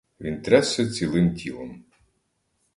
Він трясся цілим тілом.